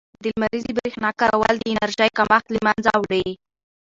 د لمریزې برښنا کارول د انرژۍ کمښت له منځه وړي.